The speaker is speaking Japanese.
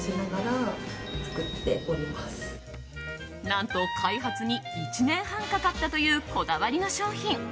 何と、開発に１年半かかったというこだわりの商品。